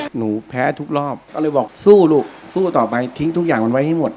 หนูแพ้ทุกรอบก็เลยบอกสู้ลูกสู้ต่อไปทิ้งทุกอย่างมันไว้ให้หมด